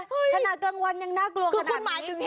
ขณะกลางวันยังน่ากลัวขนาดนี้